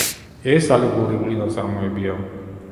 ეს ალეგორიული ნაწარმოებია.